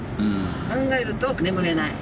考えると眠れない。